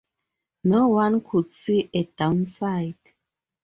No one could see a downside.